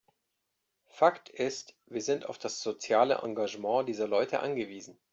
Fakt ist, wir sind auf das soziale Engagement dieser Leute angewiesen.